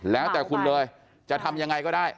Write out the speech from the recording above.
แล้วแต่คุณเลยจะทำยังไงก็ได้